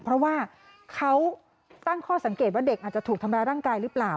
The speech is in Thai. เพราะว่าเขาตั้งข้อสังเกตว่าเด็กอาจจะถูกทำร้ายร่างกายหรือเปล่า